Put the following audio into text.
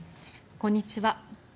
こんにちは。